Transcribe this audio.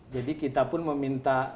jadi kita pun meminta